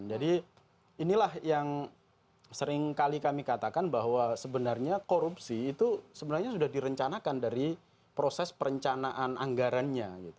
jadi inilah yang sering kali kami katakan bahwa sebenarnya korupsi itu sebenarnya sudah direncanakan dari proses perencanaan anggarannya